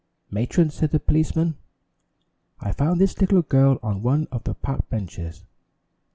"Matron," said the policeman, "I found this little girl on one of the park benches.